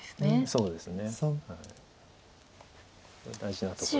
そうですね